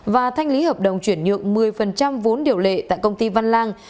và thanh lý hợp đồng chuyển nhượng một mươi vốn điều lệ tại công ty văn lang